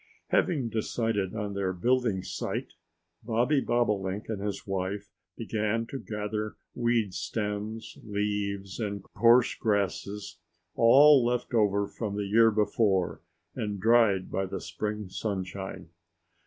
Having decided on their building site, Bobby Bobolink and his wife began to gather weed stems, leaves and coarse grasses, all left over from the year before and dried by the spring sunshine.